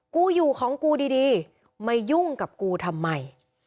กูอยู่ของกูดีมายุ่งกับกูทำไม